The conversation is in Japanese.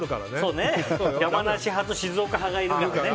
山梨派と静岡派がいるからね。